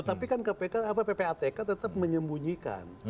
tapi ppatk tetap menyembunyikan